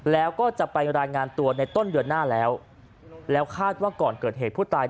แล้วก็จะไปรายงานตัวในต้นเดือนหน้าแล้วแล้วคาดว่าก่อนเกิดเหตุผู้ตาย